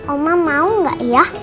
oma mau gak ya